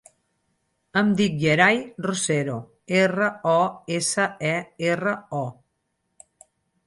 Em dic Yeray Rosero: erra, o, essa, e, erra, o.